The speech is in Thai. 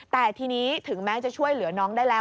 แต่ทีนี้ถึงแม้จะช่วยเหลือน้องได้แล้ว